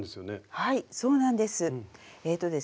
はいそうなんです。